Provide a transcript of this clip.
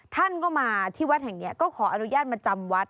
ท่านก็มาที่วัดแห่งนี้ก็ขออนุญาตมาจำวัด